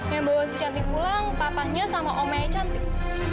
yang bawa si cantik pulang papanya sama omnya cantik